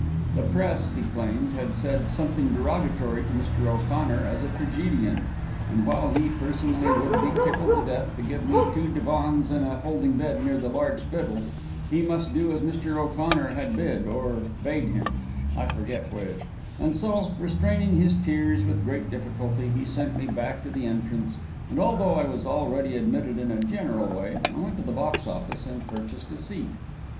The press, he claimed, had said something derogatory to Mr. O'Connor as a tragedian, and while he personally would be tickled to death to give me two divans and a folding bed near the large fiddle, he must do as Mr. O'Connor had bid or bade him, I forget which; and so, restraining his tears with great difficulty, he sent me back to the entrance and although I was already admitted in a general way, I went to the box office and purchased a seat.